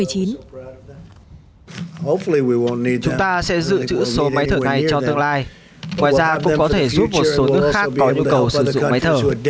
chúng ta sẽ giữ chữ số máy thở này cho tương lai ngoài ra cũng có thể giúp một số nước khác có nhu cầu sử dụng máy thở